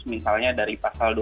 misalnya dari pasal dua puluh